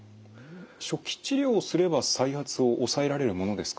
初期治療をすれば再発を抑えられるものですかね？